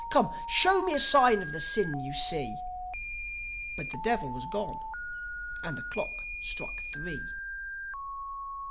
Come, show me a sign of the sin you see!" But the Devil was gone ... and the clock struck three.